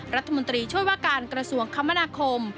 รัฐมนตรีช่วยว่าการกระทรวงคมนาคม